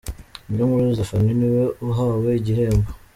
Niyonkuru Zephanie ni we uhawe igihembo .